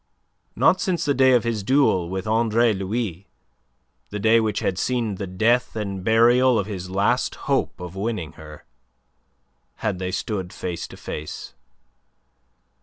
Not since the day of his duel with Andre Louis the day which had seen the death and burial of his last hope of winning her had they stood face to face.